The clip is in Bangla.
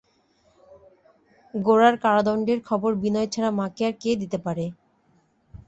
গোরার কারাদণ্ডের খবর বিনয় ছাড়া মাকে আর কে দিতে পারে!